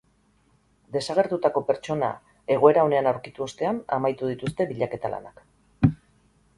Desagertutako pertsona egoera onean aurkitu ostean amaitu dituzte bilaketa lanak.